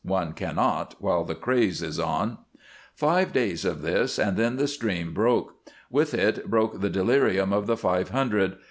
One cannot, while the craze is on. Five days of this, and then the stream broke. With it broke the delirium of the five hundred.